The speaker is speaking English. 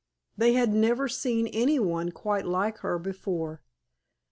They had never seen any one quite like her before.